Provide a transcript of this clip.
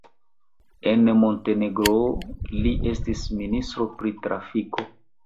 En Montenegro li estis ministro pri trafiko.